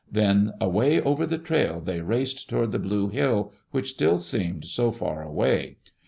Then away over the trail they raced toward the blue hill which still seemed so very far away.